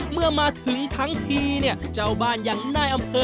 เมื่อมาถึงทั้งทีเนี่ยเจ้าบ้านอย่างนายอำเภอ